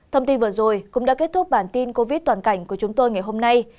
thông tin vừa rồi cũng đã kết thúc bản tin covid toàn cảnh của chúng tôi ngày hôm nay